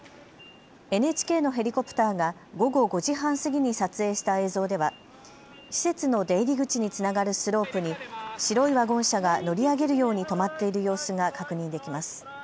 ＮＨＫのヘリコプターが午後５時半過ぎに撮影した映像では施設の出入り口につながるスロープに白いワゴン車が乗り上げるように止まっている様子が確認できます。